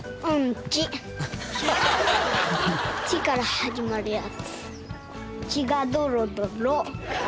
「ち」から始まるやつ。